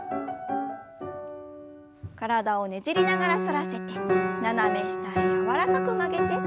体をねじりながら反らせて斜め下へ柔らかく曲げて。